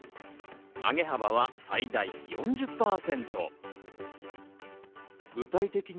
上げ幅は最大４０％。